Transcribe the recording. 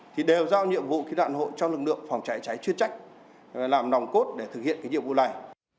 thì đều giao nhiệm vụ cứu nạn hộ cho lực lượng phòng cháy cháy chuyên trách làm nòng cốt để thực hiện cái nhiệm vụ này